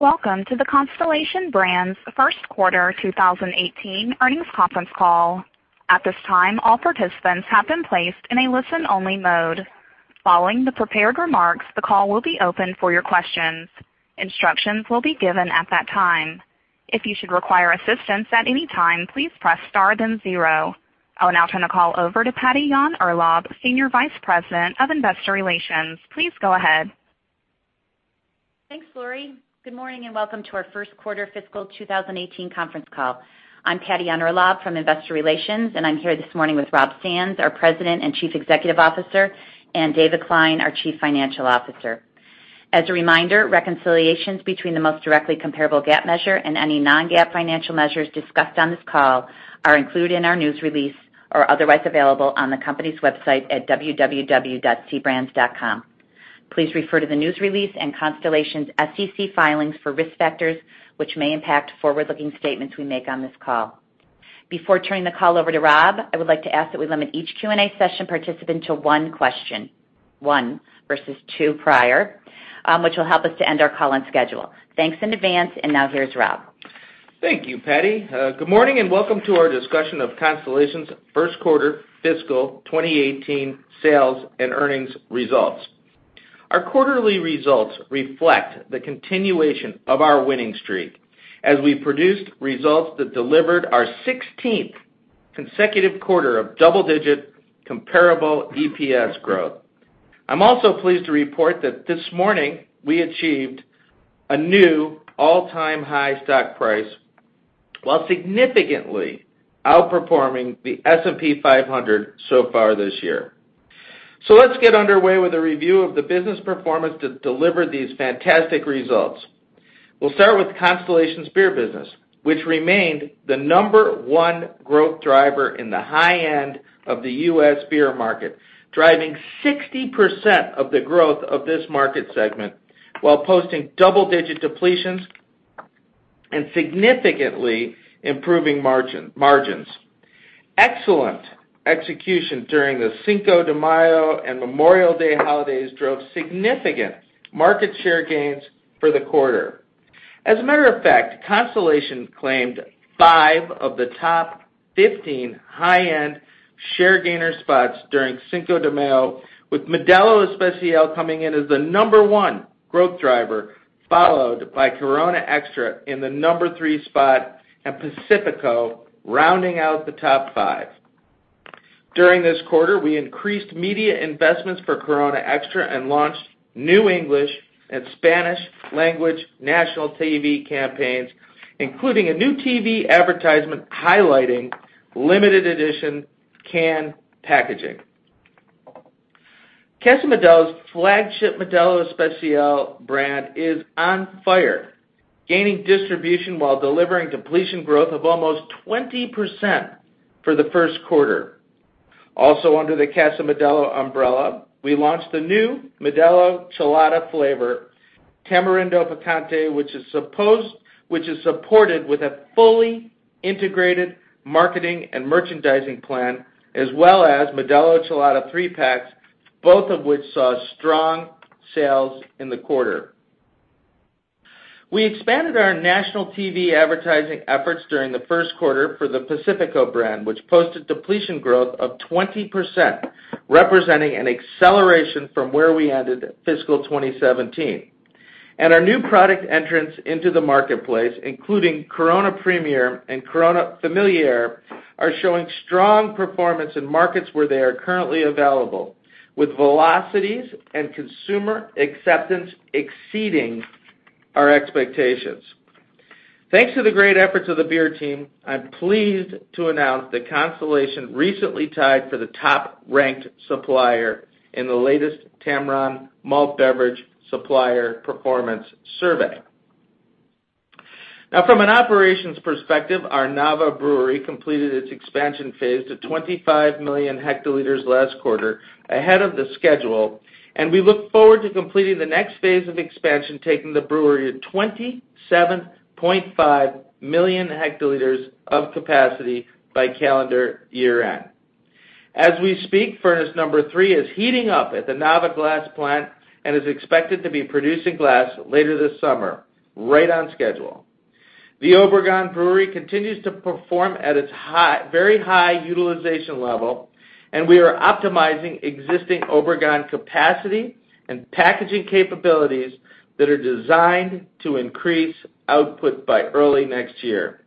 Welcome to the Constellation Brands first quarter 2018 earnings conference call. At this time, all participants have been placed in a listen-only mode. Following the prepared remarks, the call will be open for your questions. Instructions will be given at that time. If you should require assistance at any time, please press star then zero. I will now turn the call over to Patty Yahn-Urlaub, Senior Vice President of Investor Relations. Please go ahead. Thanks, Lori. Good morning and welcome to our first quarter fiscal 2018 conference call. I'm Patty Yahn-Urlaub from Investor Relations, and I'm here this morning with Rob Sands, our President and Chief Executive Officer, and David Klein, our Chief Financial Officer. As a reminder, reconciliations between the most directly comparable GAAP measure and any non-GAAP financial measures discussed on this call are included in our news release or otherwise available on the company's website at www.cbrands.com. Please refer to the news release and Constellation's SEC filings for risk factors which may impact forward-looking statements we make on this call. Before turning the call over to Rob, I would like to ask that we limit each Q&A session participant to one question, one versus two prior, which will help us to end our call on schedule. Thanks in advance. Now here's Rob. Thank you, Patty. Good morning and welcome to our discussion of Constellation's first quarter fiscal 2018 sales and earnings results. Our quarterly results reflect the continuation of our winning streak as we produced results that delivered our 16th consecutive quarter of double-digit comparable EPS growth. I'm also pleased to report that this morning we achieved a new all-time high stock price, while significantly outperforming the S&P 500 so far this year. Let's get underway with a review of the business performance that delivered these fantastic results. We'll start with Constellation's beer business, which remained the number one growth driver in the high end of the U.S. beer market, driving 60% of the growth of this market segment while posting double-digit depletions and significantly improving margins. Excellent execution during the Cinco de Mayo and Memorial Day holidays drove significant market share gains for the quarter. As a matter of fact, Constellation claimed five of the top 15 high-end share gainer spots during Cinco de Mayo, with Modelo Especial coming in as the number one growth driver, followed by Corona Extra in the number three spot, and Pacifico rounding out the top five. During this quarter, we increased media investments for Corona Extra and launched new English and Spanish language national TV campaigns, including a new TV advertisement highlighting limited edition can packaging. Casa Modelo's flagship Modelo Especial brand is on fire, gaining distribution while delivering completion growth of almost 20% for the first quarter. Also under the Casa Modelo umbrella, we launched the new Modelo Chelada flavor, Tamarindo Picante, which is supported with a fully integrated marketing and merchandising plan, as well as Modelo Chelada three-packs, both of which saw strong sales in the quarter. We expanded our national TV advertising efforts during the first quarter for the Pacifico brand, which posted depletion growth of 20%, representing an acceleration from where we ended fiscal 2017. Our new product entrants into the marketplace, including Corona Premier and Corona Familiar, are showing strong performance in markets where they are currently available, with velocities and consumer acceptance exceeding our expectations. Thanks to the great efforts of the beer team, I'm pleased to announce that Constellation recently tied for the top-ranked supplier in the latest Tamarron Malt Beverage Supplier Performance Survey. From an operations perspective, our Nava Brewery completed its expansion phase to 25 million hectoliters last quarter ahead of the schedule, and we look forward to completing the next phase of expansion, taking the brewery to 27.5 million hectoliters of capacity by calendar year-end. As we speak, furnace number 3 is heating up at the Nava Glass plant and is expected to be producing glass later this summer, right on schedule. The Obregon Brewery continues to perform at its very high utilization level, and we are optimizing existing Obregon capacity and packaging capabilities that are designed to increase output by early next year.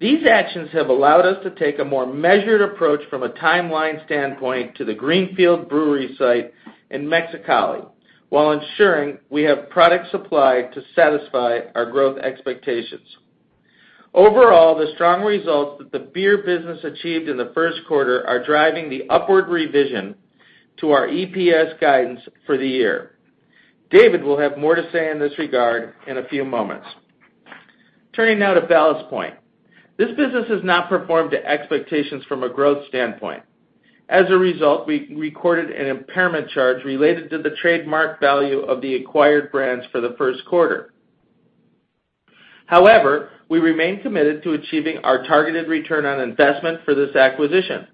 These actions have allowed us to take a more measured approach from a timeline standpoint to the Greenfield Brewery site in Mexicali while ensuring we have product supply to satisfy our growth expectations. The strong results that the beer business achieved in the first quarter are driving the upward revision to our EPS guidance for the year. David will have more to say in this regard in a few moments. To Ballast Point. This business has not performed to expectations from a growth standpoint. As a result, we recorded an impairment charge related to the trademark value of the acquired brands for the first quarter. We remain committed to achieving our targeted return on investment for this acquisition.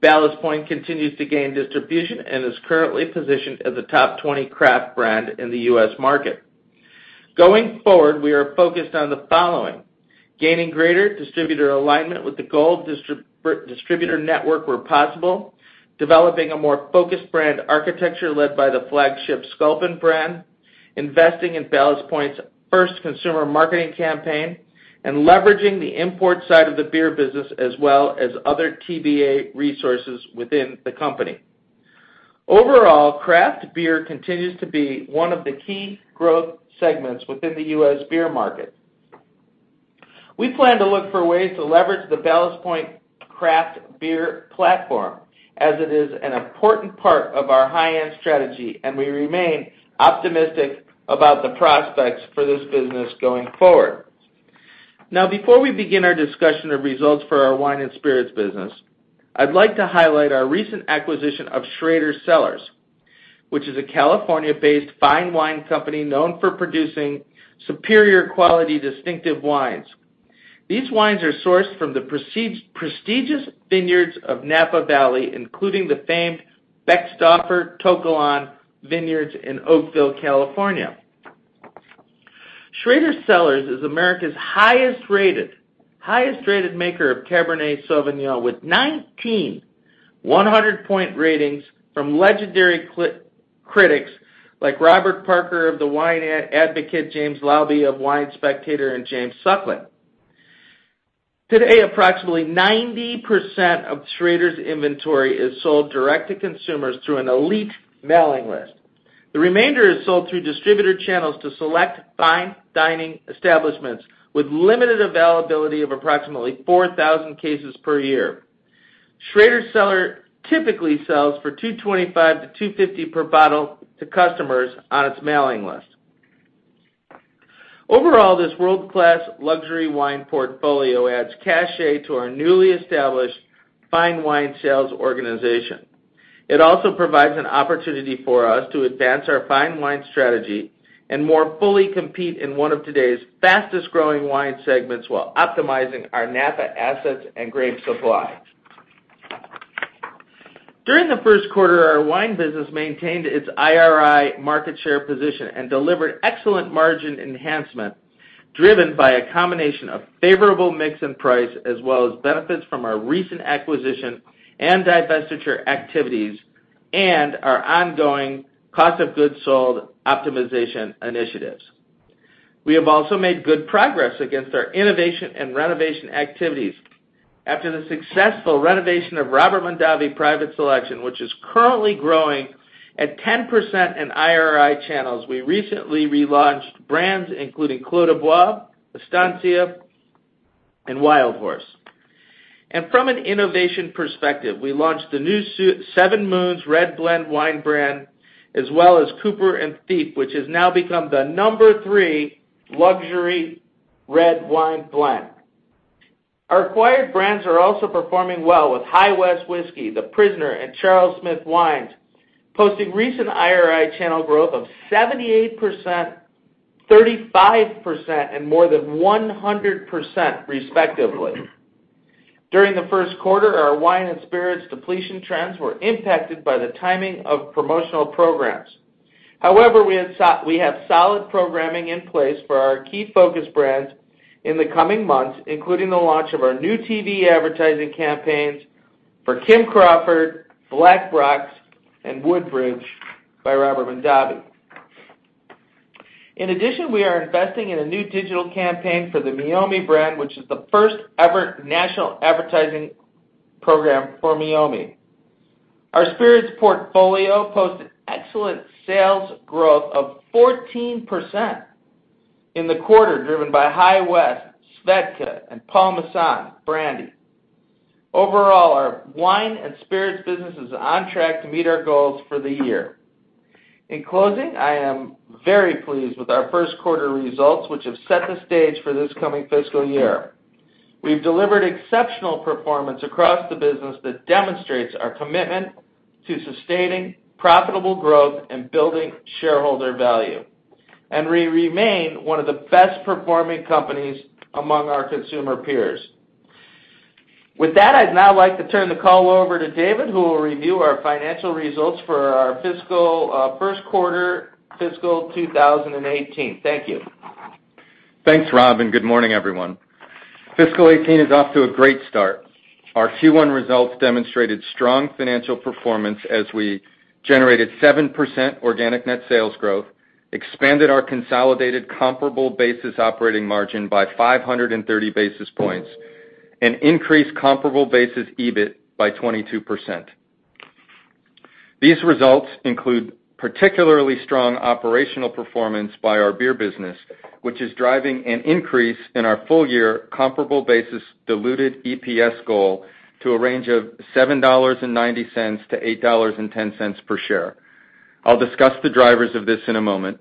Ballast Point continues to gain distribution and is currently positioned as a top 20 craft brand in the U.S. market. Going forward, we are focused on the following: gaining greater distributor alignment with the Gold Network where possible, developing a more focused brand architecture led by the flagship Sculpin brand, investing in Ballast Point's first consumer marketing campaign, and leveraging the import side of the beer business, as well as other TBA resources within the company. Craft beer continues to be one of the key growth segments within the U.S. beer market. We plan to look for ways to leverage the Ballast Point craft beer platform, as it is an important part of our high-end strategy, and we remain optimistic about the prospects for this business going forward. Before we begin our discussion of results for our wine and spirits business, I'd like to highlight our recent acquisition of Schrader Cellars, which is a California-based fine wine company known for producing superior quality, distinctive wines. These wines are sourced from the prestigious vineyards of Napa Valley, including the famed Beckstoffer To Kalon Vineyards in Oakville, California. Schrader Cellars is America's highest-rated maker of Cabernet Sauvignon, with 19 100-point ratings from legendary critics like Robert Parker of The Wine Advocate, James Laube of Wine Spectator, and James Suckling. Today, approximately 90% of Schrader's inventory is sold direct to consumers through an elite mailing list. The remainder is sold through distributor channels to select fine dining establishments, with limited availability of approximately 4,000 cases per year. Schrader Cellars typically sells for $225 to $250 per bottle to customers on its mailing list. Overall, this world-class luxury wine portfolio adds cachet to our newly established fine wine sales organization. It also provides an opportunity for us to advance our fine wine strategy and more fully compete in one of today's fastest-growing wine segments while optimizing our Napa assets and grape supply. During the first quarter, our wine business maintained its IRI market share position and delivered excellent margin enhancement, driven by a combination of favorable mix and price, as well as benefits from our recent acquisition and divestiture activities, and our ongoing cost of goods sold optimization initiatives. We have also made good progress against our innovation and renovation activities. After the successful renovation of Robert Mondavi Private Selection, which is currently growing at 10% in IRI channels, we recently relaunched brands including Clos du Bois, Estancia, and Wild Horse. From an innovation perspective, we launched the new 7 Moons red blend wine brand, as well as Cooper & Thief, which has now become the number 3 luxury red wine blend. Our acquired brands are also performing well, with High West Whiskey, The Prisoner, and Charles Smith Wines posting recent IRI channel growth of 78%, 35%, and more than 100%, respectively. During the first quarter, our wine and spirits depletion trends were impacted by the timing of promotional programs. However, we have solid programming in place for our key focus brands in the coming months, including the launch of our new TV advertising campaigns for Kim Crawford, Black Box, and Woodbridge by Robert Mondavi. In addition, we are investing in a new digital campaign for the Meiomi brand, which is the first-ever national advertising program for Meiomi. Our spirits portfolio posted excellent sales growth of 14% in the quarter, driven by High West, Svedka, and Paul Masson Brandy. Overall, our wine and spirits business is on track to meet our goals for the year. In closing, I am very pleased with our first quarter results, which have set the stage for this coming fiscal year. We've delivered exceptional performance across the business that demonstrates our commitment to sustaining profitable growth and building shareholder value, and we remain one of the best-performing companies among our consumer peers. With that, I'd now like to turn the call over to David, who will review our financial results for our first quarter fiscal 2018. Thank you. Thanks, Rob, and good morning, everyone. Fiscal 2018 is off to a great start. Our Q1 results demonstrated strong financial performance as we generated 7% organic net sales growth, expanded our consolidated comparable basis operating margin by 530 basis points, and increased comparable basis EBIT by 22%. These results include particularly strong operational performance by our beer business, which is driving an increase in our full-year comparable basis diluted EPS goal to a range of $7.90 to $8.10 per share. I'll discuss the drivers of this in a moment.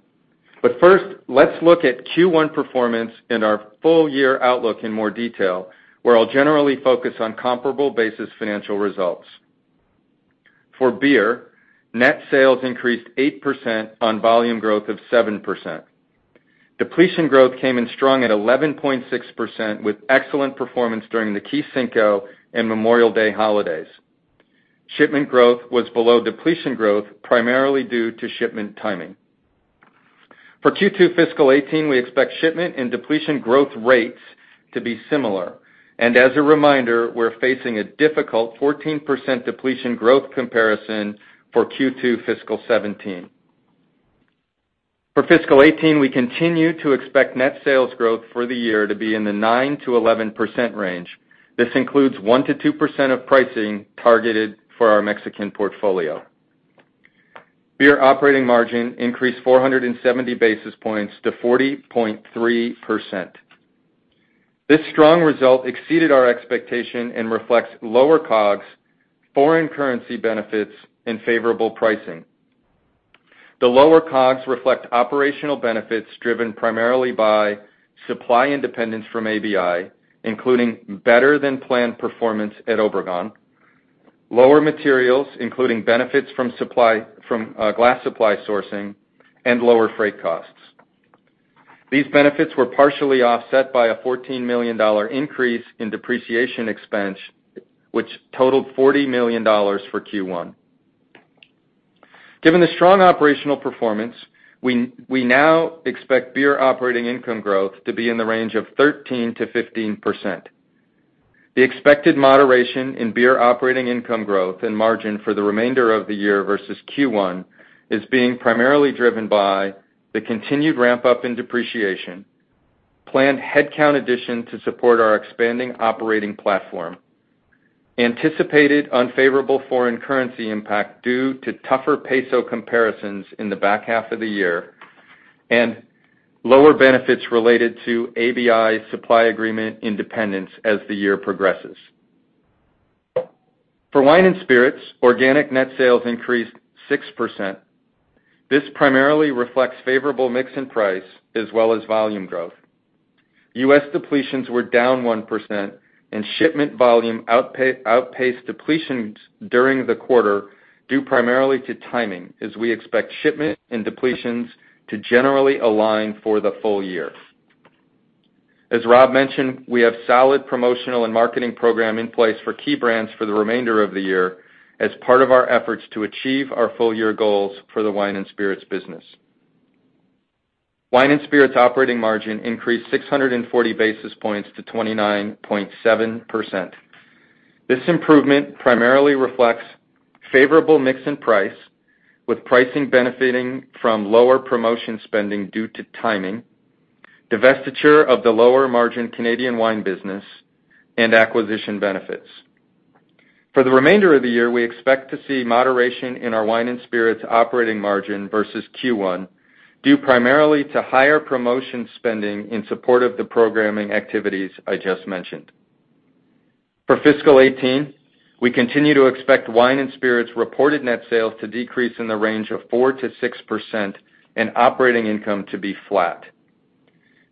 First, let's look at Q1 performance and our full-year outlook in more detail, where I'll generally focus on comparable basis financial results. For beer, net sales increased 8% on volume growth of 7%. Depletion growth came in strong at 11.6%, with excellent performance during the key Cinco and Memorial Day holidays. Shipment growth was below depletion growth, primarily due to shipment timing. For Q2 fiscal 2018, we expect shipment and depletion growth rates to be similar. As a reminder, we're facing a difficult 14% depletion growth comparison for Q2 fiscal 2017. For fiscal 2018, we continue to expect net sales growth for the year to be in the 9%-11% range. This includes 1%-2% of pricing targeted for our Mexican portfolio. Beer operating margin increased 470 basis points to 40.3%. This strong result exceeded our expectation and reflects lower COGS, foreign currency benefits, and favorable pricing. The lower COGS reflect operational benefits driven primarily by supply independence from ABI, including better-than-planned performance at Obregon, lower materials, including benefits from glass supply sourcing, and lower freight costs. These benefits were partially offset by a $14 million increase in depreciation expense, which totaled $40 million for Q1. Given the strong operational performance, we now expect beer operating income growth to be in the range of 13%-15%. The expected moderation in beer operating income growth and margin for the remainder of the year versus Q1 is being primarily driven by the continued ramp-up in depreciation, planned headcount addition to support our expanding operating platform, anticipated unfavorable foreign currency impact due to tougher peso comparisons in the back half of the year, and lower benefits related to ABI supply agreement independence as the year progresses. For wine and spirits, organic net sales increased 6%. This primarily reflects favorable mix and price as well as volume growth. U.S. depletions were down 1%, and shipment volume outpaced depletions during the quarter due primarily to timing, as we expect shipment and depletions to generally align for the full year. As Rob mentioned, we have solid promotional and marketing program in place for key brands for the remainder of the year as part of our efforts to achieve our full-year goals for the wine and spirits business. Wine and spirits operating margin increased 640 basis points to 29.7%. This improvement primarily reflects favorable mix and price, with pricing benefiting from lower promotion spending due to timing, divestiture of the lower-margin Canadian wine business, and acquisition benefits. For the remainder of the year, we expect to see moderation in our wine and spirits operating margin versus Q1, due primarily to higher promotion spending in support of the programming activities I just mentioned. For fiscal 2018, we continue to expect wine and spirits reported net sales to decrease in the range of 4%-6% and operating income to be flat.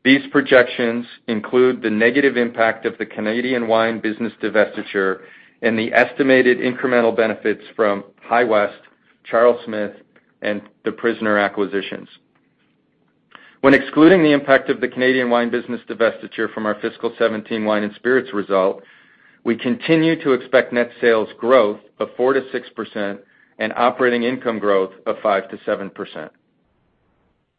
These projections include the negative impact of the Canadian wine business divestiture and the estimated incremental benefits from High West, Charles Smith, and The Prisoner acquisitions. When excluding the impact of the Canadian wine business divestiture from our fiscal 2017 wine and spirits result, we continue to expect net sales growth of 4%-6% and operating income growth of 5%-7%.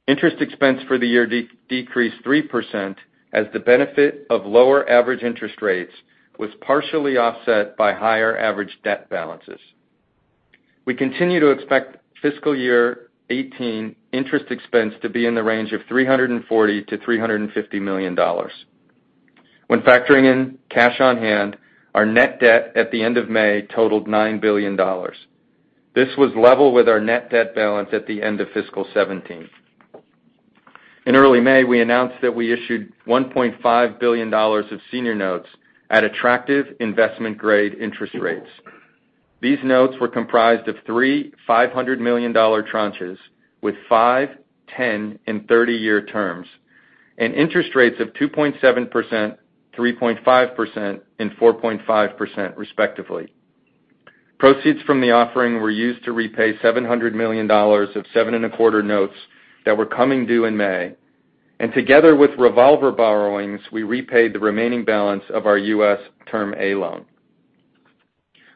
Interest expense for the year decreased 3% as the benefit of lower average interest rates was partially offset by higher average debt balances. We continue to expect fiscal year 2018 interest expense to be in the range of $340 million-$350 million. When factoring in cash on hand, our net debt at the end of May totaled $9 billion. This was level with our net debt balance at the end of fiscal 2017. In early May, we announced that we issued $1.5 billion of senior notes at attractive investment-grade interest rates. These notes were comprised of three $500 million tranches with five, 10, and 30-year terms and interest rates of 2.7%, 3.5%, and 4.5%, respectively. Proceeds from the offering were used to repay $700 million of seven and a quarter notes that were coming due in May, and together with revolver borrowings, we repaid the remaining balance of our U.S. Term A loan.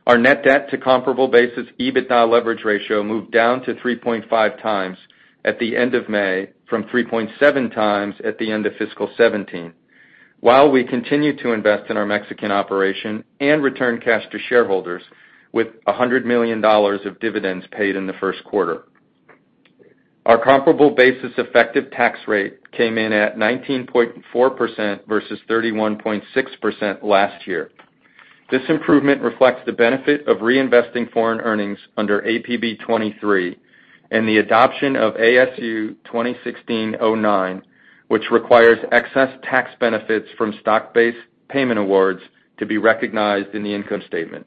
Our net debt to comparable basis EBITDA leverage ratio moved down to 3.5 times at the end of May from 3.7 times at the end of fiscal 2017, while we continue to invest in our Mexican operation and return cash to shareholders with $100 million of dividends paid in the first quarter. Our comparable basis effective tax rate came in at 19.4% versus 31.6% last year. This improvement reflects the benefit of reinvesting foreign earnings under APB 23 and the adoption of ASU 2016-09, which requires excess tax benefits from stock-based payment awards to be recognized in the income statement.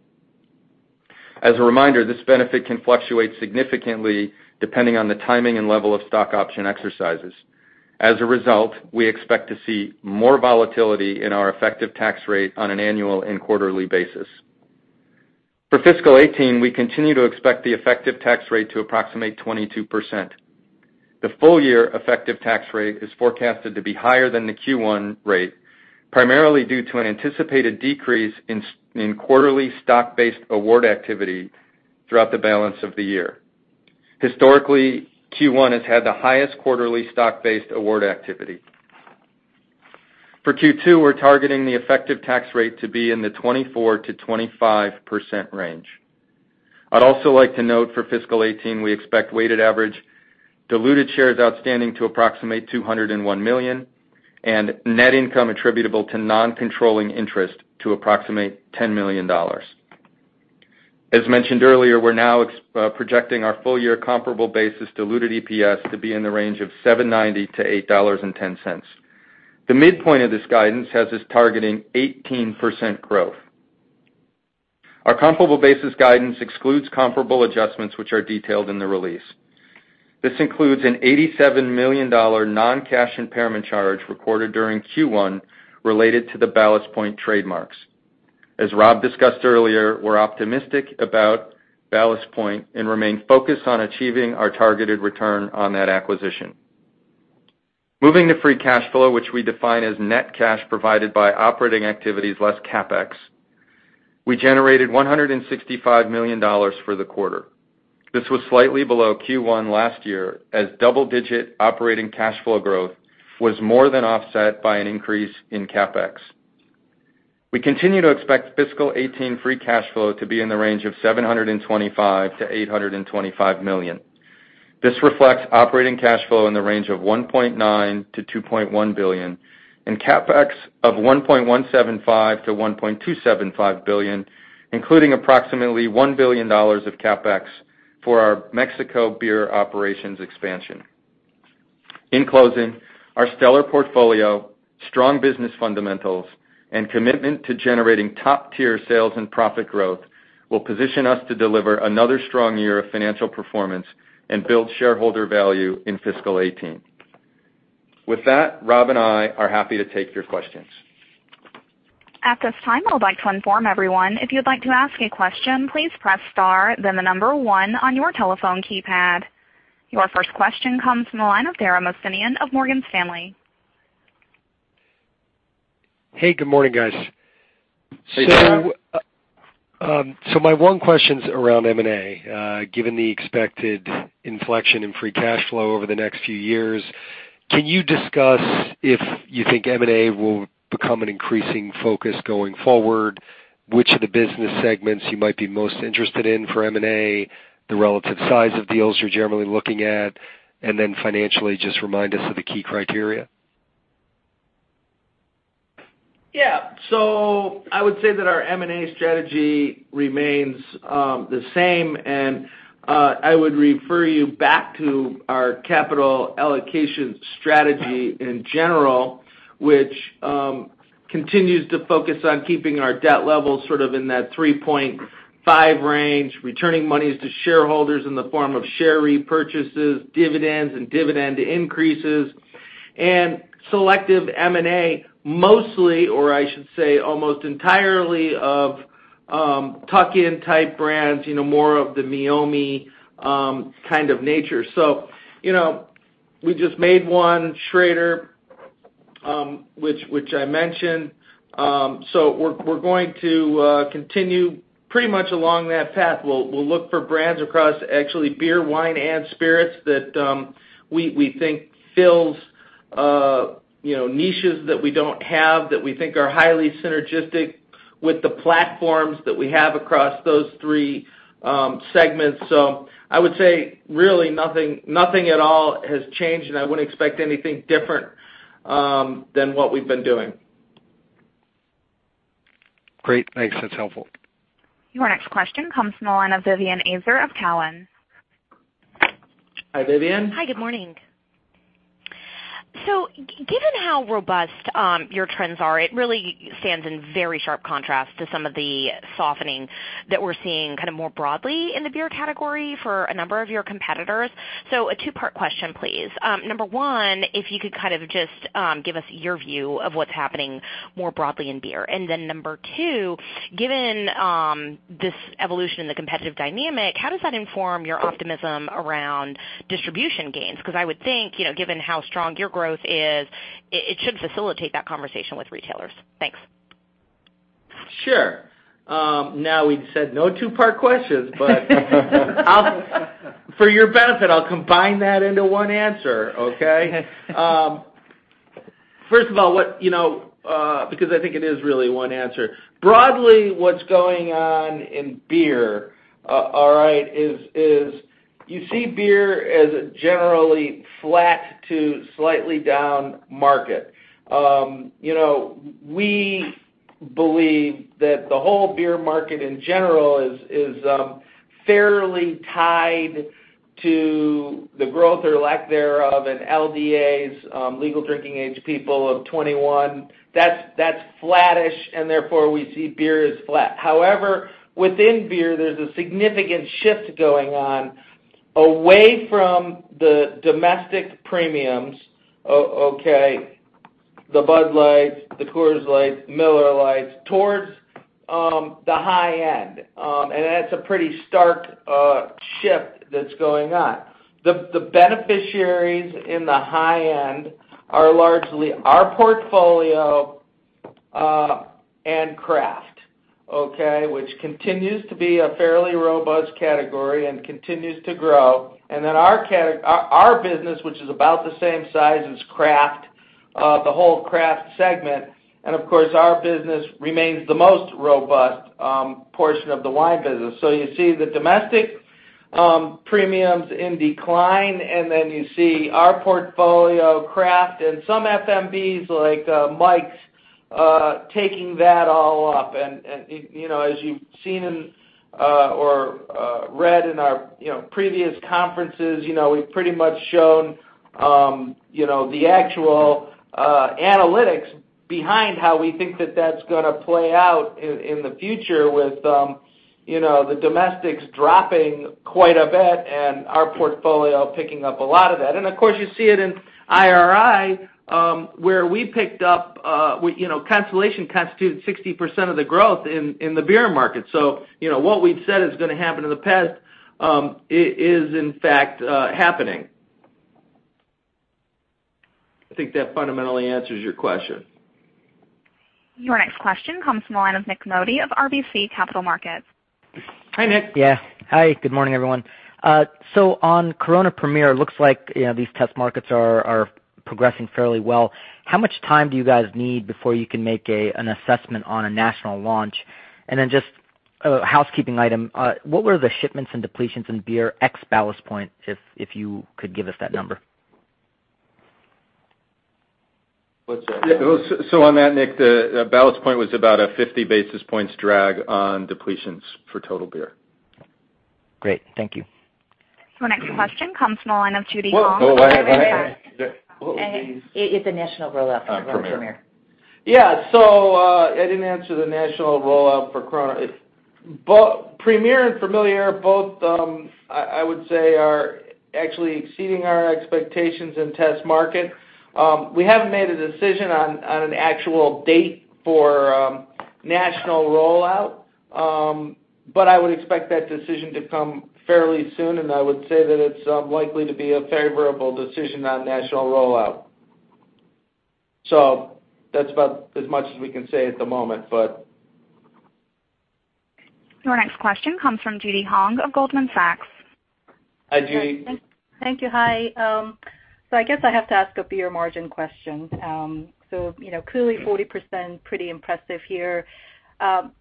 As a reminder, this benefit can fluctuate significantly depending on the timing and level of stock option exercises. As a result, we expect to see more volatility in our effective tax rate on an annual and quarterly basis. For fiscal 2018, we continue to expect the effective tax rate to approximate 22%. The full-year effective tax rate is forecasted to be higher than the Q1 rate, primarily due to an anticipated decrease in quarterly stock-based award activity throughout the balance of the year. Historically, Q1 has had the highest quarterly stock-based award activity. For Q2, we're targeting the effective tax rate to be in the 24%-25% range. I'd also like to note for fiscal 2018, we expect weighted average diluted shares outstanding to approximate 201 million and net income attributable to non-controlling interest to approximate $10 million. As mentioned earlier, we're now projecting our full-year comparable basis diluted EPS to be in the range of $7.90-$8.10. The midpoint of this guidance has us targeting 18% growth. Our comparable basis guidance excludes comparable adjustments which are detailed in the release. This includes an $87 million non-cash impairment charge recorded during Q1 related to the Ballast Point trademarks. As Rob discussed earlier, we're optimistic about Ballast Point and remain focused on achieving our targeted return on that acquisition. Moving to free cash flow, which we define as net cash provided by operating activities less CapEx, we generated $165 million for the quarter. This was slightly below Q1 last year as double-digit operating cash flow growth was more than offset by an increase in CapEx. We continue to expect fiscal 2018 free cash flow to be in the range of $725 million-$825 million. This reflects operating cash flow in the range of $1.9 billion-$2.1 billion and CapEx of $1.175 billion-$1.275 billion, including approximately $1 billion of CapEx for our Mexico beer operations expansion. In closing, our stellar portfolio, strong business fundamentals, and commitment to generating top-tier sales and profit growth will position us to deliver another strong year of financial performance and build shareholder value in fiscal 2018. With that, Rob and I are happy to take your questions. At this time, I would like to inform everyone, if you'd like to ask a question, please press star, then the number one on your telephone keypad. Your first question comes from the line of Dara Mohsenian of Morgan Stanley. Hey, good morning, guys. Hey. My one question's around M&A. Given the expected inflection in free cash flow over the next few years, can you discuss if you think M&A will become an increasing focus going forward, which of the business segments you might be most interested in for M&A, the relative size of deals you're generally looking at, and then financially, just remind us of the key criteria? Yeah. I would say that our M&A strategy remains the same, and I would refer you back to our capital allocation strategy in general, which continues to focus on keeping our debt level sort of in that 3.5 range, returning monies to shareholders in the form of share repurchases, dividends, and dividend increases. And selective M&A, mostly, or I should say almost entirely of tuck-in type brands, more of the Meiomi kind of nature. We just made one, Schrader, which I mentioned. We're going to continue pretty much along that path. We'll look for brands across actually beer, wine, and spirits that we think fills niches that we don't have, that we think are highly synergistic with the platforms that we have across those three segments. I would say really nothing at all has changed, and I wouldn't expect anything different than what we've been doing. Great. Thanks. That's helpful. Your next question comes from the line of Vivien Azer of Cowen. Hi, Vivien. Hi. Good morning. Given how robust your trends are, it really stands in very sharp contrast to some of the softening that we're seeing kind of more broadly in the beer category for a number of your competitors. A two-part question, please. Number 1, if you could kind of just give us your view of what's happening more broadly in beer. Number 2, given this evolution in the competitive dynamic, how does that inform your optimism around distribution gains? Because I would think, given how strong your growth is, it should facilitate that conversation with retailers. Thanks. Sure. We've said no two-part questions, for your benefit, I'll combine that into one answer, okay? First of all, because I think it is really one answer. Broadly, what's going on in beer, all right, is you see beer as a generally flat to slightly down market. We believe that the whole beer market in general is fairly tied to the growth or lack thereof in LDAs, legal drinking age, people of twenty-one. That's flattish, and therefore, we see beer as flat. However, within beer, there's a significant shift going on away from the domestic premiums, okay? The Bud Light, the Coors Light, Miller Lite towards the high end. That's a pretty stark shift that's going on. The beneficiaries in the high end are largely our portfolio and craft, okay? Which continues to be a fairly robust category and continues to grow. Our business, which is about the same size as the whole craft segment, and of course, our business remains the most robust portion of the wine business. You see the domestic premiums in decline, you see our portfolio craft and some FMBs like Mike's, taking that all up. As you've seen or read in our previous conferences, we've pretty much shown the actual analytics behind how we think that's going to play out in the future with the domestics dropping quite a bit and our portfolio picking up a lot of that. Of course, you see it in IRI, where we picked up Constellation constituted 60% of the growth in the beer market. What we've said is going to happen in the past, is in fact happening. I think that fundamentally answers your question. Your next question comes from the line of Nik Modi of RBC Capital Markets. Hi, Nik. Yeah. Hi, good morning, everyone. On Corona Premier, it looks like these test markets are progressing fairly well. How much time do you guys need before you can make an assessment on a national launch? Just a housekeeping item, what were the shipments and depletions in beer ex Ballast Point, if you could give us that number? What's that? On that, Nik, Ballast Point was about a 50 basis points drag on depletions for total beer. Great. Thank you. Your next question comes from the line of Judy Hong. What was. Oh, go ahead. It's the national rollout for Corona Premier. Premier. Yeah. I didn't answer the national rollout for Corona. Premier and Familiar, both, I would say are actually exceeding our expectations in test market. We haven't made a decision on an actual date for national rollout. I would expect that decision to come fairly soon, and I would say that it's likely to be a favorable decision on national rollout. That's about as much as we can say at the moment. Your next question comes from Judy Hong of Goldman Sachs. Hi, Judy. Thank you. Hi. I guess I have to ask a beer margin question. Clearly 40% pretty impressive here.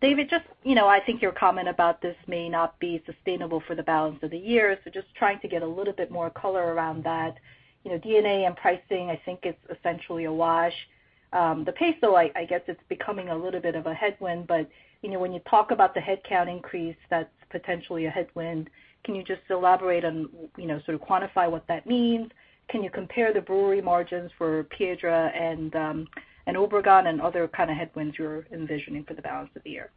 David, just I think your comment about this may not be sustainable for the balance of the year, just trying to get a little bit more color around that. D&A and pricing, I think is essentially a wash. The peso, I guess it's becoming a little bit of a headwind, but when you talk about the headcount increase, that's potentially a headwind. Can you just elaborate on, sort of quantify what that means? Can you compare the brewery margins for Nava and Obregon and other kind of headwinds you're envisioning for the balance of the year?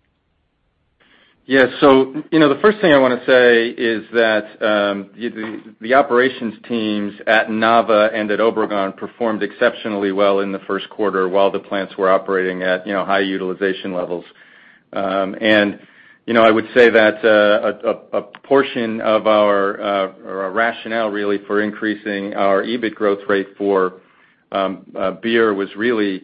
Yeah. The first thing I want to say is that, the operations teams at Nava and at Obregon performed exceptionally well in the first quarter while the plants were operating at high utilization levels. I would say that a portion of our rationale, really for increasing our EBIT growth rate for beer was really,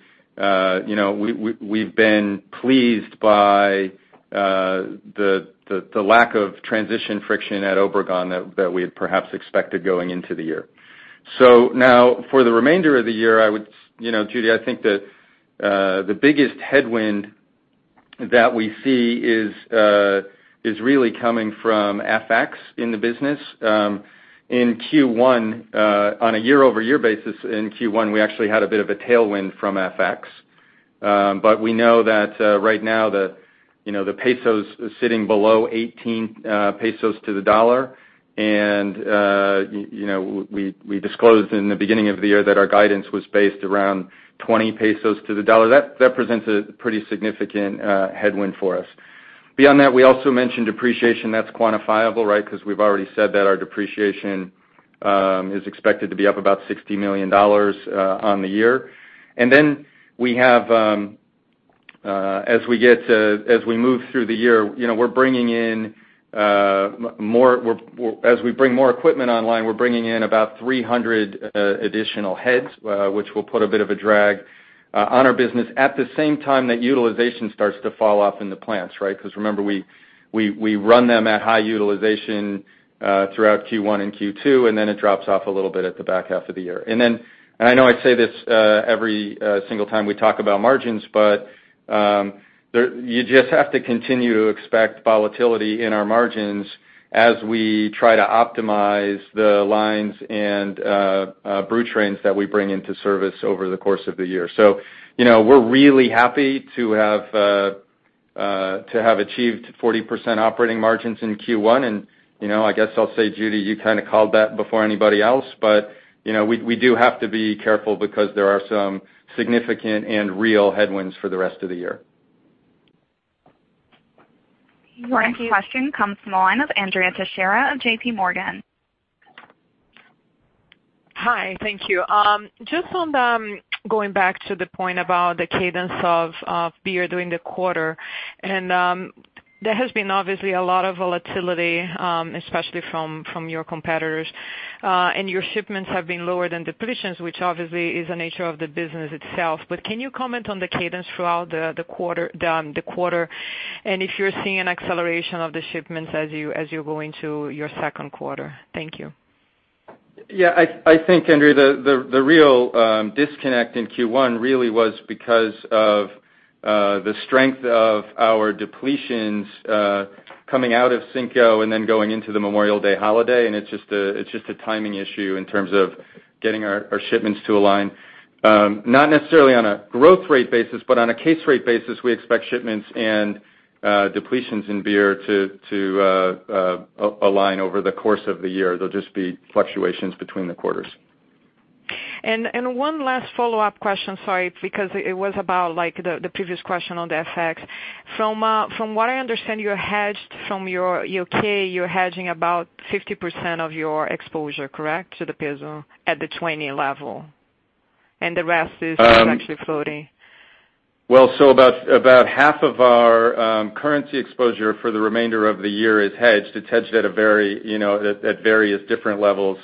we've been pleased by the lack of transition friction at Obregon that we had perhaps expected going into the year. Now, for the remainder of the year, Judy, I think that the biggest headwind that we see is really coming from FX in the business. On a year-over-year basis in Q1, we actually had a bit of a tailwind from FX. We know that right now the peso's sitting below 18 pesos to the dollar, and we disclosed in the beginning of the year that our guidance was based around 20 pesos to the dollar. That presents a pretty significant headwind for us. Beyond that, we also mentioned depreciation that's quantifiable, right? Because we've already said that our depreciation is expected to be up about $60 million on the year. As we move through the year, as we bring more equipment online, we're bringing in about 300 additional heads, which will put a bit of a drag on our business at the same time that utilization starts to fall off in the plants, right? Because remember, we run them at high utilization, throughout Q1 and Q2, and then it drops off a little bit at the back half of the year. I know I say this, every single time we talk about margins, you just have to continue to expect volatility in our margins as we try to optimize the lines and brew trains that we bring into service over the course of the year. We're really happy to have achieved 40% operating margins in Q1, and I guess I'll say, Judy, you kind of called that before anybody else. We do have to be careful because there are some significant and real headwinds for the rest of the year. Your next question comes from the line of Andrea Teixeira of JPMorgan. Hi, thank you. Just on going back to the point about the cadence of beer during the quarter, there has been obviously a lot of volatility, especially from your competitors. Your shipments have been lower than depletions, which obviously is the nature of the business itself. Can you comment on the cadence throughout the quarter? If you're seeing an acceleration of the shipments as you go into your second quarter. Thank you. Yeah. I think, Andrea, the real disconnect in Q1 really was because of the strength of our depletions coming out of Cinco and then going into the Memorial Day holiday. It's just a timing issue in terms of getting our shipments to align. Not necessarily on a growth rate basis, but on a case rate basis, we expect shipments and depletions in beer to align over the course of the year. There'll just be fluctuations between the quarters. One last follow-up question, sorry, because it was about the previous question on the FX. From what I understand, you're hedged from your [U.K.], you're hedging about 50% of your exposure, correct, to the peso at the 20 level, the rest is actually floating? Well, about half of our currency exposure for the remainder of the year is hedged. It's hedged at various different levels.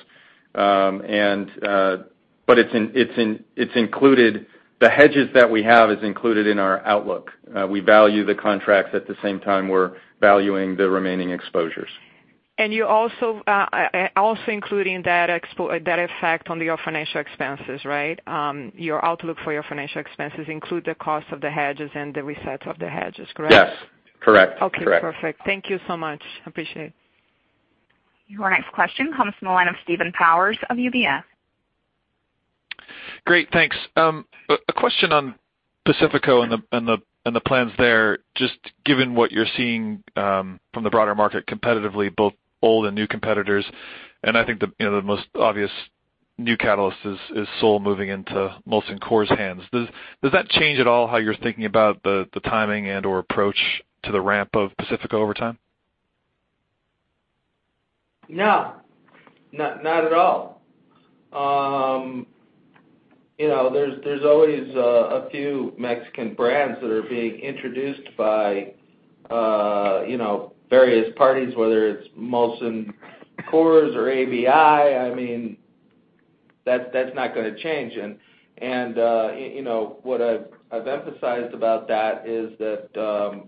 The hedges that we have is included in our outlook. We value the contracts at the same time we're valuing the remaining exposures. You're also including that effect on your financial expenses, right? Your outlook for your financial expenses include the cost of the hedges and the resets of the hedges, correct? Yes. Correct. Perfect. Thank you so much. Appreciate it. Your next question comes from the line of Steven Powers of UBS. Great, thanks. A question on Pacifico and the plans there, just given what you're seeing from the broader market competitively, both old and new competitors, and I think the most obvious new catalyst is Sol moving into Molson Coors hands. Does that change at all how you're thinking about the timing and/or approach to the ramp of Pacifico over time? No. Not at all. There's always a few Mexican brands that are being introduced by various parties, whether it's Molson Coors or ABI. That's not going to change. What I've emphasized about that is that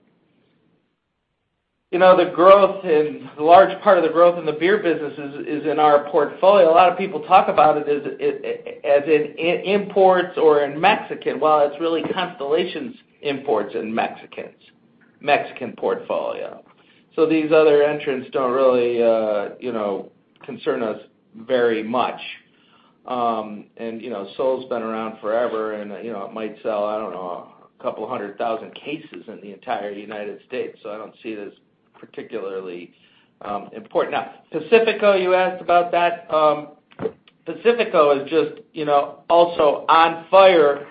the growth and large part of the growth in the beer business is in our portfolio. A lot of people talk about it as in imports or in Mexican, well, it's really Constellation's imports in Mexicans, Mexican portfolio. These other entrants don't really concern us very much. Sol's been around forever, and it might sell, I don't know, a couple hundred thousand cases in the entire U.S., so I don't see it as particularly important. Now, Pacifico, you asked about that. Pacifico is just also on fire,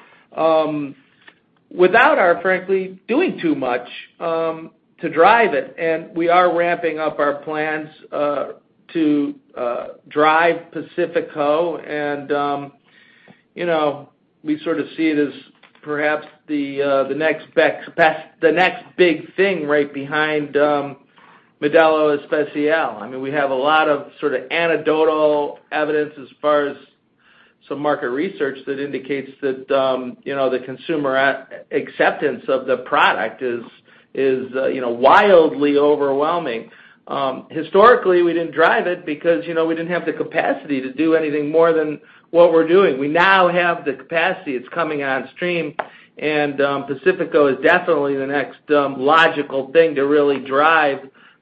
without our, frankly, doing too much to drive it. We are ramping up our plans to drive Pacifico, and we sort of see it as perhaps the next big thing right behind Modelo Especial. We have a lot of sort of anecdotal evidence as far as some market research that indicates that the consumer acceptance of the product is wildly overwhelming. Historically, we didn't drive it because we didn't have the capacity to do anything more than what we're doing. We now have the capacity. It's coming on stream, Pacifico is definitely the next logical thing to really drive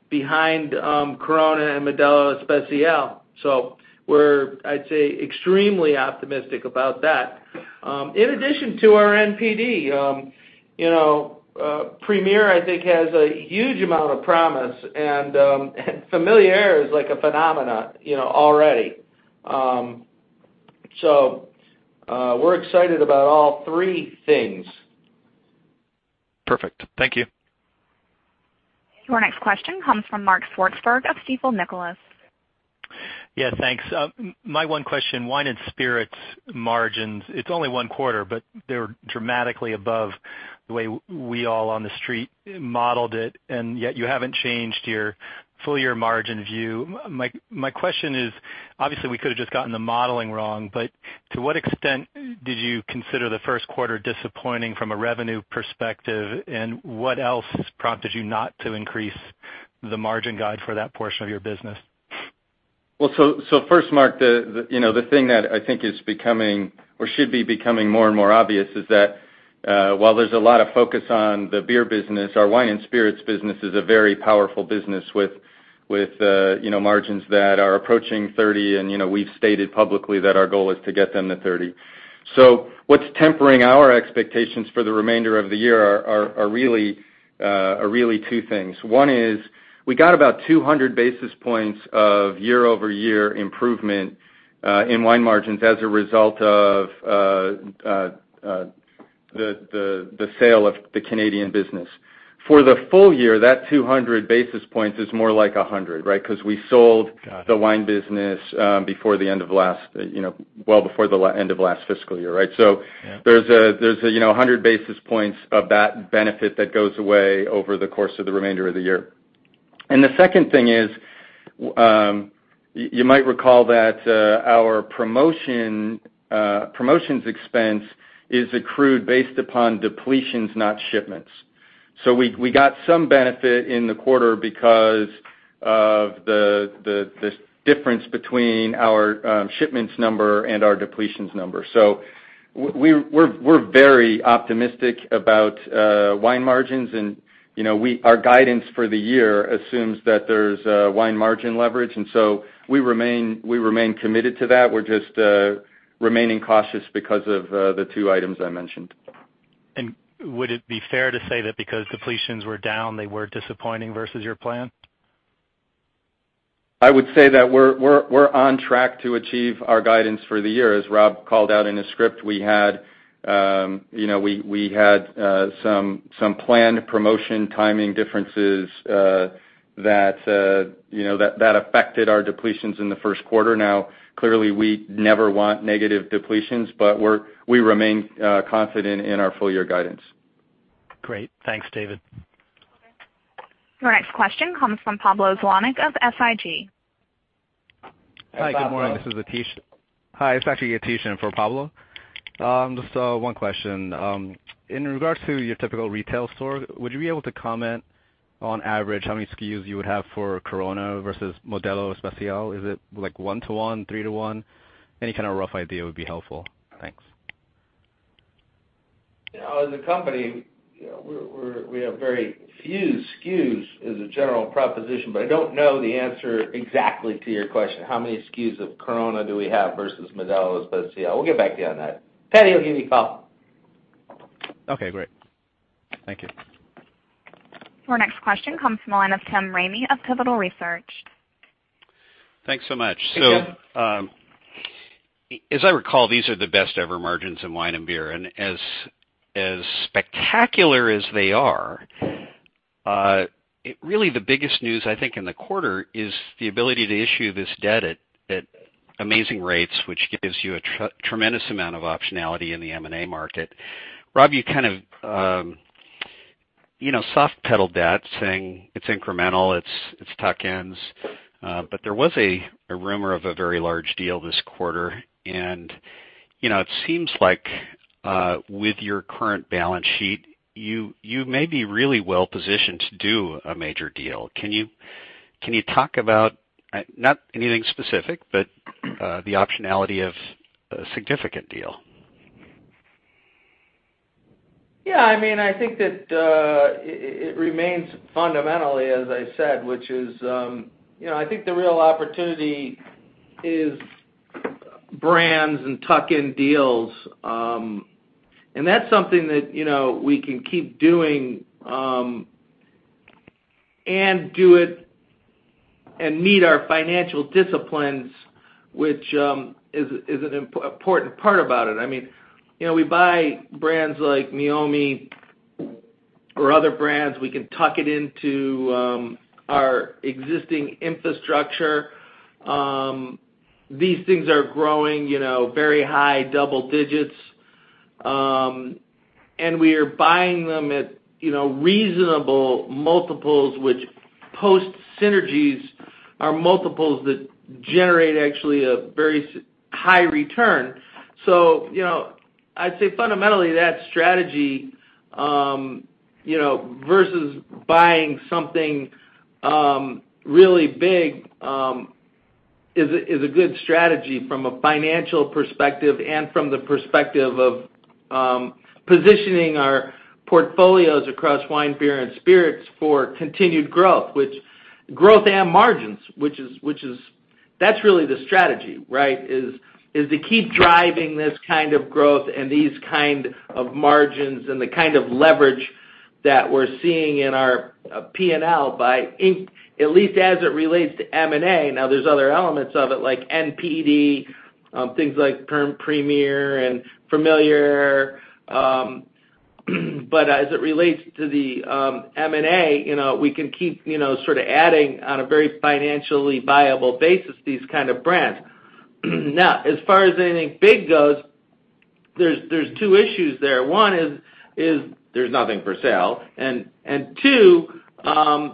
behind Corona and Modelo Especial. We're, I'd say, extremely optimistic about that. In addition to our NPD, Premier, I think, has a huge amount of promise, Familiar is like a phenomenon already. We're excited about all three things. Perfect. Thank you. Your next question comes from Mark Swartzberg of Stifel Nicolaus. Yeah, thanks. My one question, wine and spirits margins, it's only one quarter, but they're dramatically above the way we all on the Street modeled it. Yet you haven't changed your full year margin view. My question is, obviously, we could've just gotten the modeling wrong, but to what extent did you consider the first quarter disappointing from a revenue perspective? What else prompted you not to increase the margin guide for that portion of your business? Well, first, Mark, the thing that I think is becoming or should be becoming more and more obvious is that, while there's a lot of focus on the beer business, our wine and spirits business is a very powerful business with margins that are approaching 30%. We've stated publicly that our goal is to get them to 30%. What's tempering our expectations for the remainder of the year are really two things. One is we got about 200 basis points of year-over-year improvement in wine margins as a result of the sale of the Canadian business. For the full year, that 200 basis points is more like 100, right? Because we sold- Got it the wine business well before the end of last fiscal year, right? Yeah. There's 100 basis points of that benefit that goes away over the course of the remainder of the year. The second thing is, you might recall that our promotions expense is accrued based upon depletions, not shipments. We got some benefit in the quarter because of this difference between our shipments number and our depletions number. We're very optimistic about wine margins and our guidance for the year assumes that there's wine margin leverage, and so we remain committed to that. We're just remaining cautious because of the two items I mentioned. Would it be fair to say that because depletions were down, they were disappointing versus your plan? I would say that we're on track to achieve our guidance for the year. As Rob called out in his script, we had some planned promotion timing differences that affected our depletions in the first quarter. Now, clearly, we never want negative depletions, but we remain confident in our full year guidance. Great. Thanks, David. Your next question comes from Pablo Zuanic of SIG. Hi, Pablo. Hi, it's actually Atish in for Pablo. Just one question. In regards to your typical retail store, would you be able to comment on average how many SKUs you would have for Corona versus Modelo Especial? Is it like one to one, three to one? Any kind of rough idea would be helpful. Thanks. As a company, we have very few SKUs as a general proposition. I don't know the answer exactly to your question, how many SKUs of Corona do we have versus Modelo Especial. We'll get back to you on that. Patty will give you a call. Okay, great. Thank you. Your next question comes from the line of Tim Ramey of Pivotal Research Group. Thanks so much. Hey, Tim. As I recall, these are the best ever margins in wine and beer, and as spectacular as they are, really the biggest news, I think, in the quarter is the ability to issue this debt at amazing rates, which gives you a tremendous amount of optionality in the M&A market. Rob, you kind of soft pedaled that saying it's incremental, it's tuck-ins. There was a rumor of a very large deal this quarter, and it seems like, with your current balance sheet, you may be really well positioned to do a major deal. Can you talk about, not anything specific, but the optionality of a significant deal? Yeah, I think that it remains fundamentally, as I said, which is I think the real opportunity is brands and tuck-in deals. That's something that we can keep doing, and do it and meet our financial disciplines, which is an important part about it. We buy brands like Meiomi or other brands. We can tuck it into our existing infrastructure. These things are growing very high double digits. We are buying them at reasonable multiples, which post synergies are multiples that generate actually a very high return. I'd say fundamentally that strategy, versus buying something really big, is a good strategy from a financial perspective and from the perspective of positioning our portfolios across wine, beer, and spirits for continued growth and margins. That's really the strategy, right? Is to keep driving this kind of growth and these kind of margins and the kind of leverage that we're seeing in our P&L at least as it relates to M&A. There's other elements of it, like NPD, things like Premier and Familiar. As it relates to the M&A, we can keep sort of adding on a very financially viable basis, these kind of brands. As far as anything big goes, there's two issues there. One is there's nothing for sale, and two,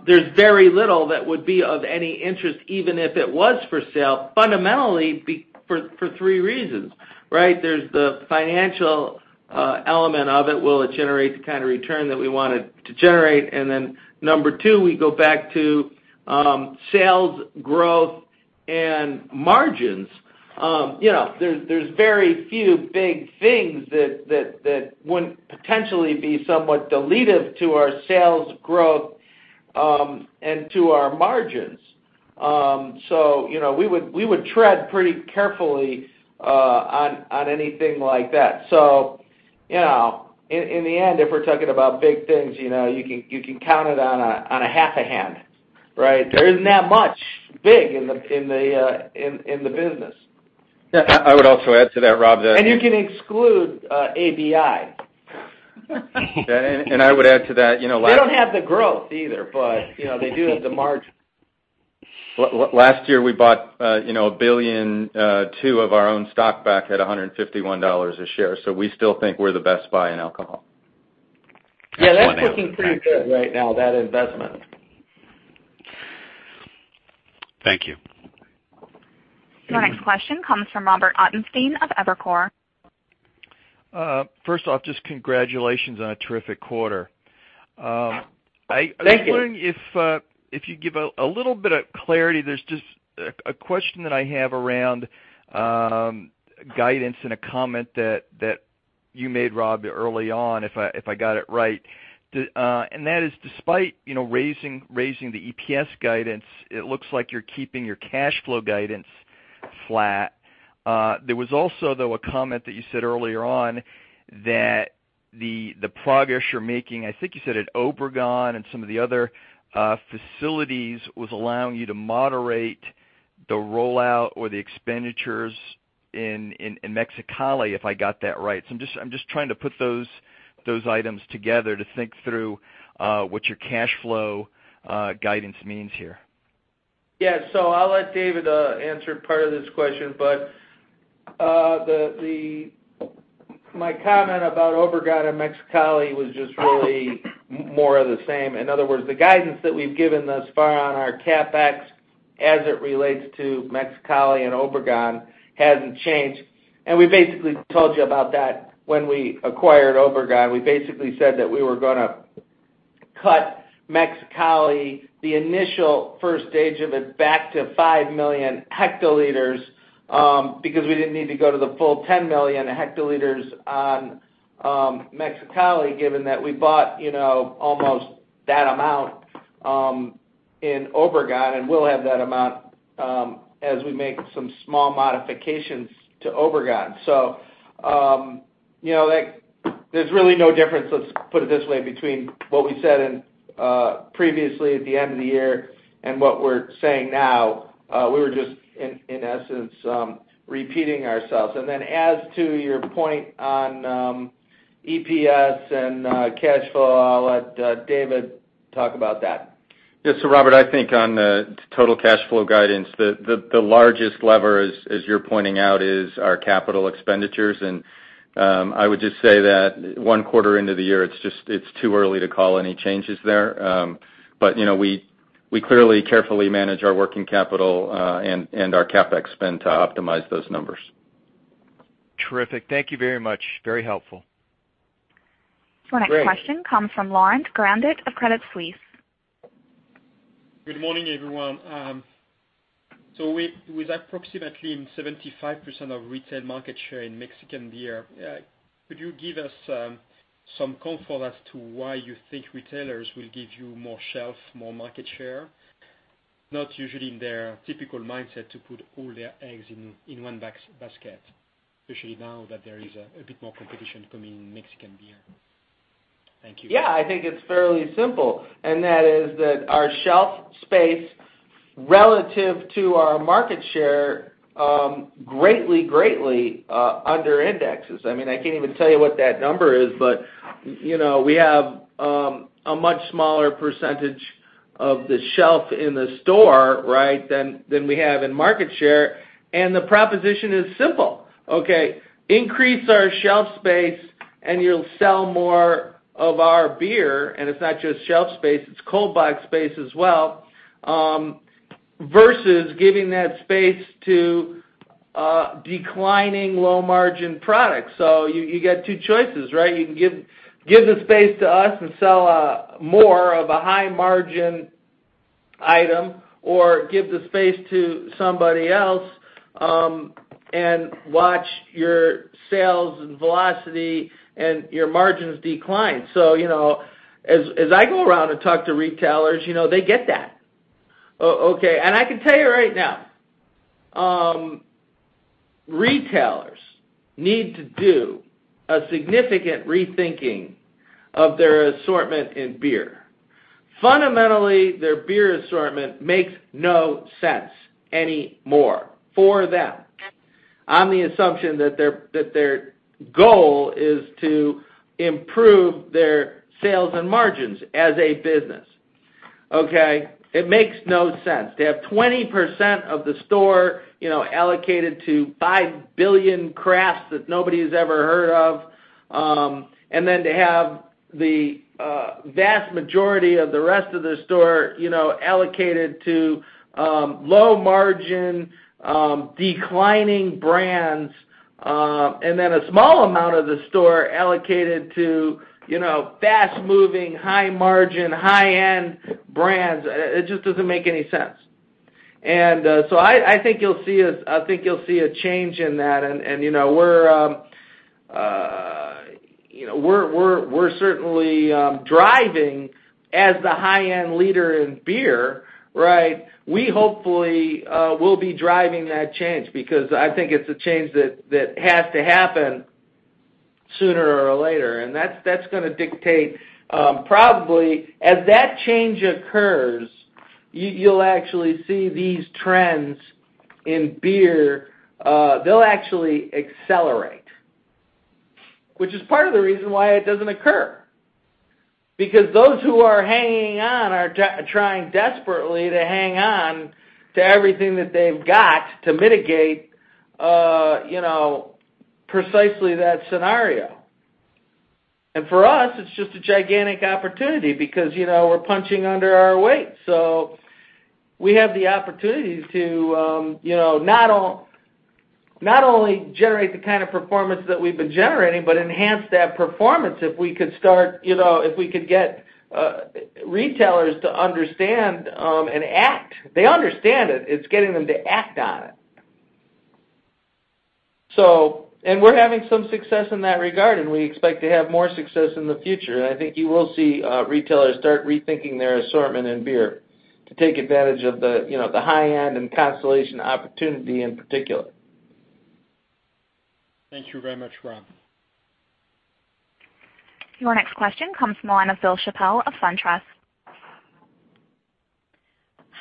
there's very little that would be of any interest, even if it was for sale, fundamentally for three reasons, right? There's the financial element of it. Will it generate the kind of return that we want it to generate? Then number 2, we go back to sales growth and margins. There's very few big things that wouldn't potentially be somewhat dilutive to our sales growth and to our margins. We would tread pretty carefully on anything like that. In the end, if we're talking about big things, you can count it on a half a hand. Right. There isn't that much big in the business. I would also add to that, Rob. You can exclude ABI. I would add to that. They don't have the growth either, but they do have the margin. Last year, we bought $1.2 billion of our own stock back at $151 a share. We still think we're the best buy in alcohol. Yeah, that's looking pretty good right now, that investment. Thank you. Your next question comes from Robert Ottenstein of Evercore. First off, just congratulations on a terrific quarter. Thank you. I was wondering if you'd give a little bit of clarity. There's just a question that I have around guidance and a comment that you made, Rob, early on, if I got it right. That is despite raising the EPS guidance, it looks like you're keeping your cash flow guidance flat. There was also, though, a comment that you said earlier on that the progress you're making, I think you said at Obregon and some of the other facilities, was allowing you to moderate the rollout or the expenditures in Mexicali, if I got that right. I'm just trying to put those items together to think through what your cash flow guidance means here. I'll let David answer part of this question, but my comment about Obregon and Mexicali was just really more of the same. In other words, the guidance that we've given thus far on our CapEx as it relates to Mexicali and Obregon hasn't changed. We basically told you about that when we acquired Obregon. We basically said that we were going to cut Mexicali, the initial first stage of it, back to 5 million hectoliters, because we didn't need to go to the full 10 million hectoliters on Mexicali, given that we bought almost that amount in Obregon, and we'll have that amount as we make some small modifications to Obregon. There's really no difference, let's put it this way, between what we said previously at the end of the year and what we're saying now. We were just, in essence, repeating ourselves. As to your point on EPS and cash flow, I'll let David talk about that. Yeah. Robert, I think on the total cash flow guidance, the largest lever, as you're pointing out, is our capital expenditures. I would just say that one quarter into the year, it's too early to call any changes there. We clearly carefully manage our working capital and our CapEx spend to optimize those numbers. Terrific. Thank you very much. Very helpful. Great. Your next question comes from Laurent Grandet of Credit Suisse. Good morning, everyone. With approximately 75% of retail market share in Mexican beer, could you give us some comfort as to why you think retailers will give you more shelf, more market share? Not usually in their typical mindset to put all their eggs in one basket, especially now that there is a bit more competition coming in Mexican beer. Thank you. I think it's fairly simple, and that is that our shelf space relative to our market share greatly under indexes. I can't even tell you what that number is, but we have a much smaller percentage of the shelf in the store, than we have in market share, and the proposition is simple. Increase our shelf space and you'll sell more of our beer. It's not just shelf space, it's cold box space as well, versus giving that space to declining low-margin products. You get two choices. You can give the space to us and sell more of a high-margin item, or give the space to somebody else and watch your sales and velocity and your margins decline. As I go around and talk to retailers, they get that. I can tell you right now, retailers need to do a significant rethinking of their assortment in beer. Fundamentally, their beer assortment makes no sense anymore for them on the assumption that their goal is to improve their sales and margins as a business. It makes no sense. They have 20% of the store allocated to 5 billion crafts that nobody's ever heard of, and then to have the vast majority of the rest of the store allocated to low-margin, declining brands, and then a small amount of the store allocated to fast-moving, high-margin, high-end brands. It just doesn't make any sense. I think you'll see a change in that, and we're certainly driving as the high-end leader in beer. We hopefully will be driving that change because I think it's a change that has to happen sooner or later. That's going to dictate, probably, as that change occurs, you'll actually see these trends in beer, they'll actually accelerate. Which is part of the reason why it doesn't occur. Because those who are hanging on are trying desperately to hang on to everything that they've got to mitigate precisely that scenario. For us, it's just a gigantic opportunity because we're punching under our weight. We have the opportunity to not only generate the kind of performance that we've been generating, but enhance that performance if we could get retailers to understand and act. They understand it. It's getting them to act on it. We're having some success in that regard, and we expect to have more success in the future. I think you will see retailers start rethinking their assortment in beer to take advantage of the high-end and Constellation opportunity in particular. Thank you very much, Rob. Your next question comes from the line of Bill Chappell of SunTrust.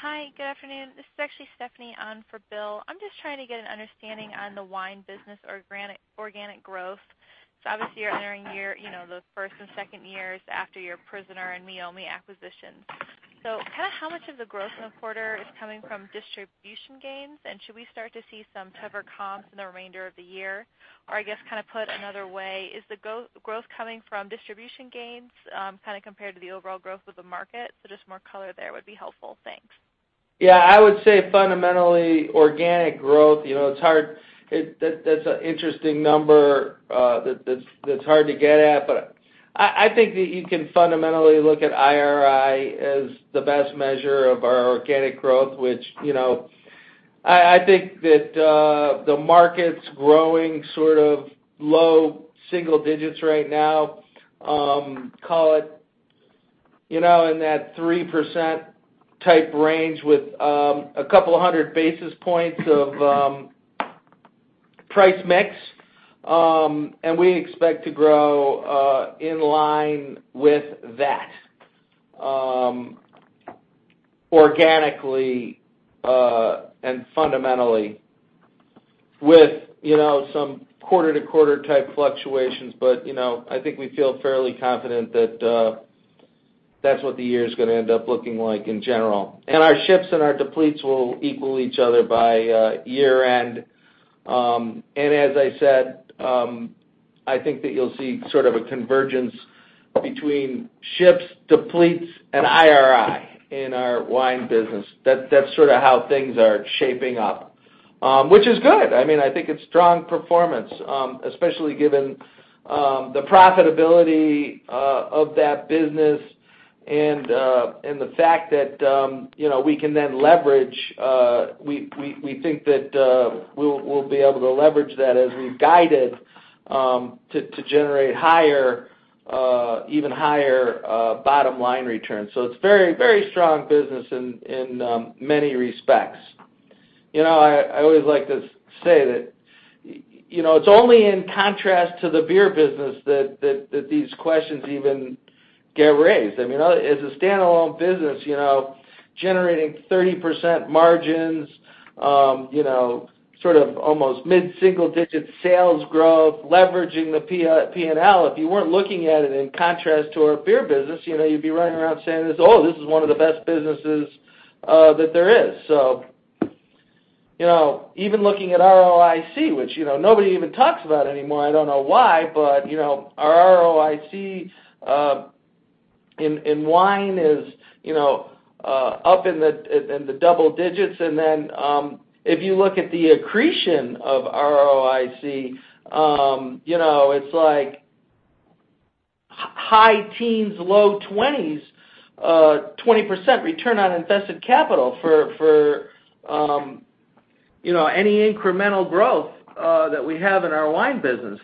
Hi. Good afternoon. This is actually Stephanie on for Bill. I'm just trying to get an understanding on the wine business organic growth. Obviously you're entering the first and second years after your The Prisoner and Meiomi acquisitions. How much of the growth in the quarter is coming from distribution gains? Should we start to see some tougher comps in the remainder of the year? I guess put another way, is the growth coming from distribution gains compared to the overall growth of the market? Just more color there would be helpful. Thanks. Yeah, I would say fundamentally organic growth, that's an interesting number that's hard to get at, but I think that you can fundamentally look at IRI as the best measure of our organic growth. I think that the market's growing sort of low single digits right now. Call it in that 3% type range with a couple of hundred basis points of price mix. We expect to grow in line with that organically and fundamentally with some quarter-to-quarter type fluctuations. I think we feel fairly confident that's what the year's going to end up looking like in general. Our ships and our depletes will equal each other by year-end. As I said, I think that you'll see sort of a convergence between ships, depletes, and IRI in our wine business. That's sort of how things are shaping up. Which is good. I think it's strong performance, especially given the profitability of that business and the fact that we think that we'll be able to leverage that as we've guided to generate even higher bottom line returns. It's very strong business in many respects. I always like to say that it's only in contrast to the beer business that these questions even get raised. As a standalone business generating 30% margins, sort of almost mid-single digit sales growth, leveraging the P&L, if you weren't looking at it in contrast to our beer business, you'd be running around saying, "Oh, this is one of the best businesses that there is." Even looking at ROIC, which nobody even talks about anymore, I don't know why, but our ROIC in wine is up in the double digits, and then if you look at the accretion of ROIC, it's like high teens, low 20s, 20% return on invested capital for any incremental growth that we have in our wine business.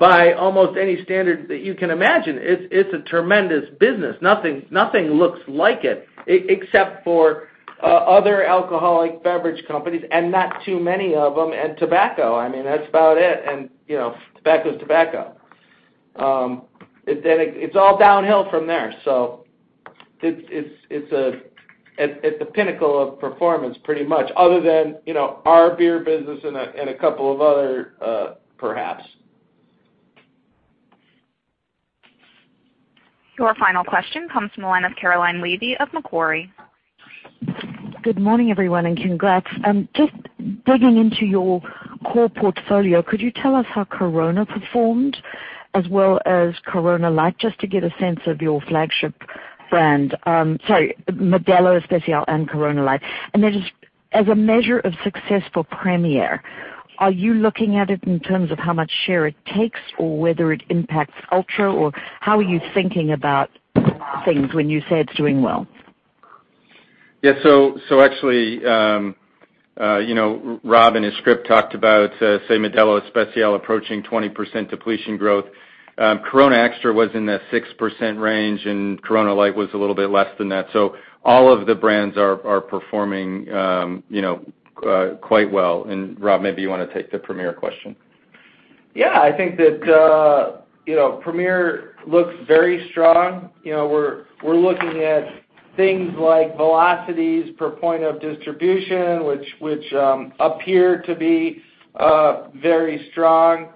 By almost any standard that you can imagine, it's a tremendous business. Nothing looks like it except for other alcoholic beverage companies, and not too many of them, and tobacco. That's about it. Tobacco's tobacco. It's all downhill from there. It's at the pinnacle of performance pretty much other than our beer business and a couple of others perhaps. Your final question comes from the line of Caroline Levy of Macquarie. Good morning everyone, and congrats. Just digging into your core portfolio, could you tell us how Corona performed as well as Corona Light, just to get a sense of your flagship brand. Sorry, Modelo Especial and Corona Light. As a measure of success for Premier, are you looking at it in terms of how much share it takes or whether it impacts Ultra? How are you thinking about things when you say it's doing well? Actually, Rob in his script talked about, say, Modelo Especial approaching 20% depletion growth. Corona Extra was in the 6% range, Corona Light was a little bit less than that. All of the brands are performing quite well. Rob, maybe you want to take the Premier question. I think that Premier looks very strong. We're looking at things like velocities per point of distribution, which appear to be very strong.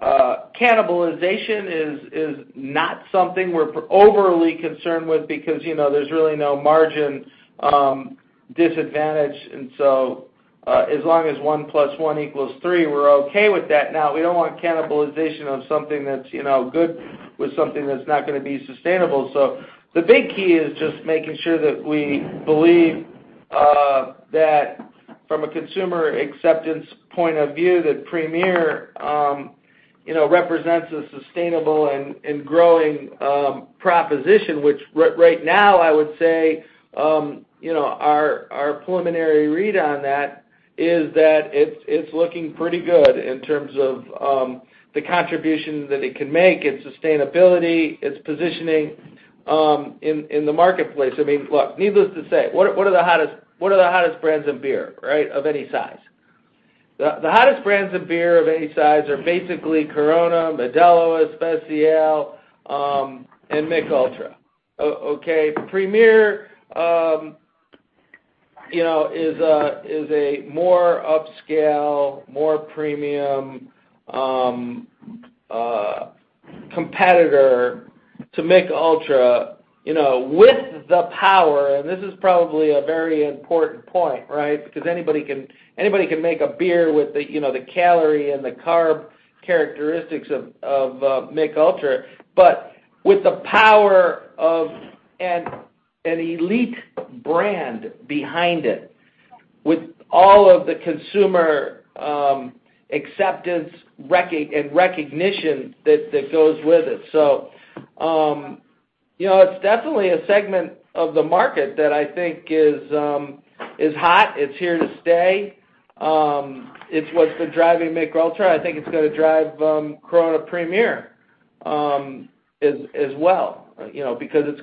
Cannibalization is not something we're overly concerned with because there's really no margin disadvantage. As long as one plus one equals three, we're okay with that. We don't want cannibalization of something that's good with something that's not going to be sustainable. The big key is just making sure that we believe that from a consumer acceptance point of view, that Premier represents a sustainable and growing proposition, which right now, I would say, our preliminary read on that is that it's looking pretty good in terms of the contribution that it can make, its sustainability, its positioning in the marketplace. Look, needless to say, what are the hottest brands in beer, right, of any size? The hottest brands in beer of any size are basically Corona, Modelo Especial, and Michelob Ultra. Okay. Premier is a more upscale, more premium competitor to Michelob Ultra with the power, this is probably a very important point, right? Because anybody can make a beer with the calorie and the carb characteristics of Michelob Ultra, but with the power of an elite brand behind it, with all of the consumer acceptance and recognition that goes with it. It's definitely a segment of the market that I think is hot. It's here to stay. It's what's been driving Michelob Ultra. I think it's going to drive Corona Premier as well because it's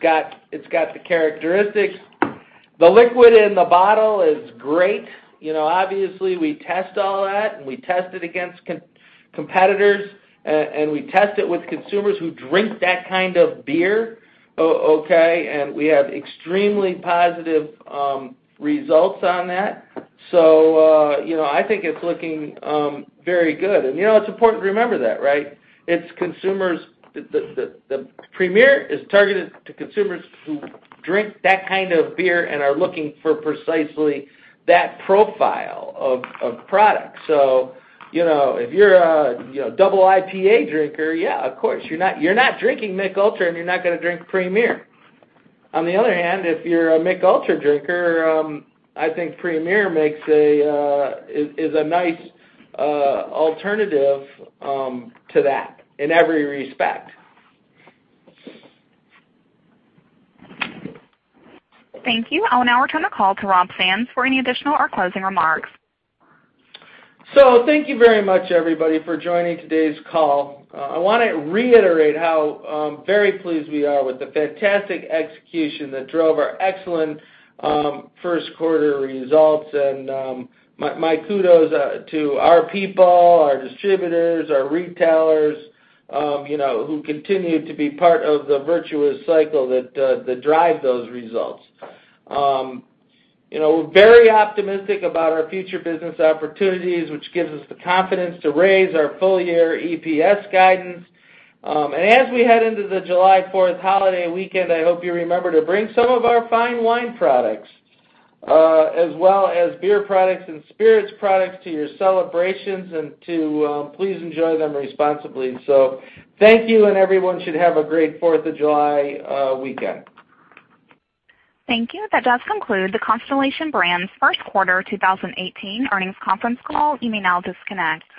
got the characteristics. The liquid in the bottle is great. Obviously, we test all that, and we test it against competitors, and we test it with consumers who drink that kind of beer, okay. We have extremely positive results on that. I think it's looking very good. It's important to remember that, right? The Premier is targeted to consumers who drink that kind of beer and are looking for precisely that profile of product. If you're a double IPA drinker, of course, you're not drinking Michelob Ultra, and you're not going to drink Premier. On the other hand, if you're a Michelob Ultra drinker, I think Premier is a nice alternative to that in every respect. Thank you. I'll now return the call to Rob Sands for any additional or closing remarks. Thank you very much, everybody, for joining today's call. I want to reiterate how very pleased we are with the fantastic execution that drove our excellent first quarter results. My kudos to our people, our distributors, our retailers who continue to be part of the virtuous cycle that drive those results. We're very optimistic about our future business opportunities, which gives us the confidence to raise our full-year EPS guidance. As we head into the July 4th holiday weekend, I hope you remember to bring some of our fine wine products, as well as beer products and spirits products to your celebrations and to please enjoy them responsibly. Thank you, and everyone should have a great 4th of July weekend. Thank you. That does conclude the Constellation Brands First Quarter 2018 Earnings Conference Call. You may now disconnect.